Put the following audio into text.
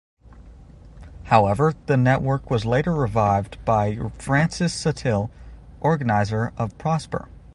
However the network was later revived by Francis Suttill, organiser of Prosper.